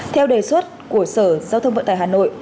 theo đề xuất của sở giao thông vận tải hà nội